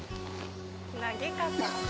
投げ方。